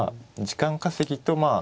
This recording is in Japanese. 時間稼ぎとまあ